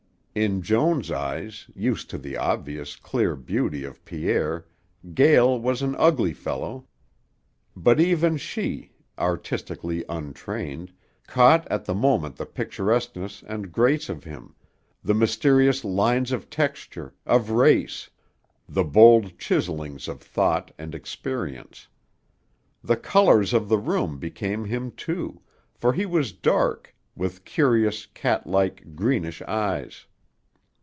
In Joan's eyes, used to the obvious, clear beauty of Pierre, Gael was an ugly fellow, but even she, artistically untrained, caught at the moment the picturesqueness and grace of him, the mysterious lines of texture, of race; the bold chiselings of thought and experience. The colors of the room became him, too, for he was dark, with curious, catlike, greenish eyes.